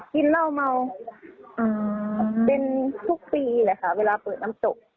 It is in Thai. กินเหล้าเมาเป็นทุกปีแหละค่ะเวลาเปิดน้ำตก